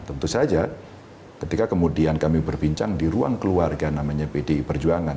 tentu saja ketika kemudian kami berbincang di ruang keluarga namanya pdi perjuangan